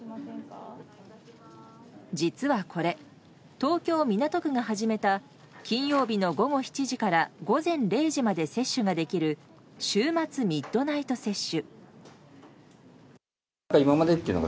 実はこれ、東京・港区が始めた金曜日の午後７時から午前０時まで接種ができる週末ミッドナイト接種。